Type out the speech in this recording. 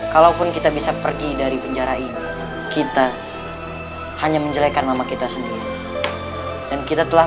kalaupun kita bisa pergi dari penjara ini kita hanya menjelekan mama kita sendiri dan kita telah